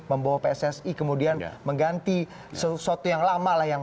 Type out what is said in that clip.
membawa pssi kemudian mengganti sesuatu yang lama lah yang